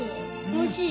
おいしい。